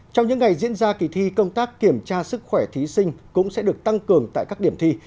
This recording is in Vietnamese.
trong những ngày diễn ra kỳ thi công tác kiểm tra sức khỏe thí sinh cũng sẽ được tăng cường tại các điểm thi